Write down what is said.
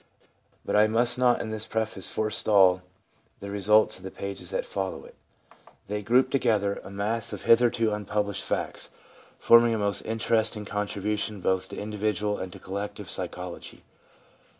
But I must not in this preface forestall the results of the pages that follow it. They group together a x PREFACE mass of hitherto unpublished facts, forming a most interesting contribution both to individual and to collective psychology.